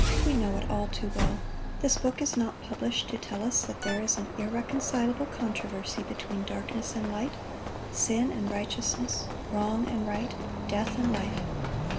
We know it all too well. This book is not published to tell us that there is an irreconcilable controversy between darkness and light, sin and righteousness, wrong and right, death and life.